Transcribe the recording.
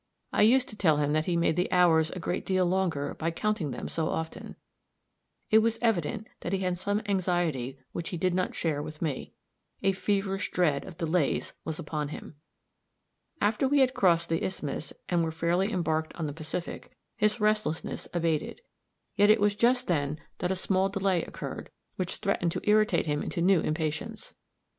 I used to tell him that he made the hours a great deal longer by counting them so often. It was evident that he had some anxiety which he did not share with me. A feverish dread of delays was upon him. After we had crossed the isthmus, and were fairly embarked on the Pacific, his restlessness abated. Yet it was just then that a small delay occurred, which threatened to irritate him into new impatience.